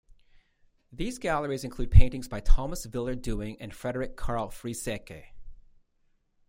These galleries include paintings by Thomas Wilmer Dewing and Frederick Carl Frieseke.